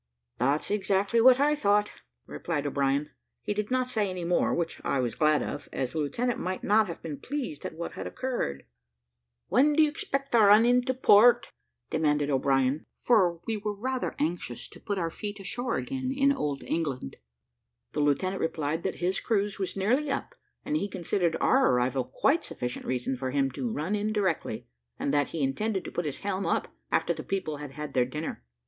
"That's exactly what I thought," replied O'Brien. He did not say any more, which I was glad of, as the lieutenant might not have been pleased at what had occurred. "When do you expect to run into port?" demanded O'Brien; for we were rather anxious to put our feet ashore again in old England. The lieutenant replied that his cruise was nearly up; and he considered our arrival quite sufficient reason for him to run in directly, and that he intended to put his helm up after the people had had their dinner.